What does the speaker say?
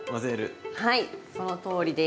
はいそのとおりです。